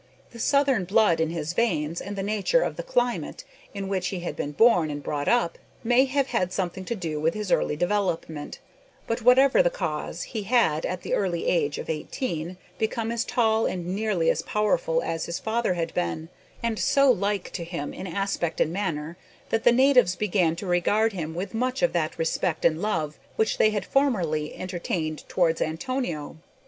The southern blood in his veins, and the nature of the climate in which he had been born and brought up, may have had something to do with his early development; but, whatever the cause, he had, at the early age of eighteen, become as tall and nearly as powerful as his father had been, and so like to him in aspect and manner, that the natives began to regard him with much of that respect and love which they had formerly entertained towards Antonio.